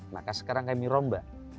maka sekarang kami rombak